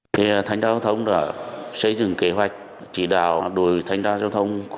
sở giao thông vận tải nghệ an chỉ đạo lực lượng thanh tra giao thông vận tải